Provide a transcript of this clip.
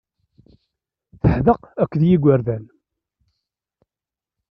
Teḥdeq akked yigerdan.